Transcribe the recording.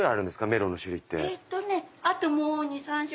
メロンの種類って。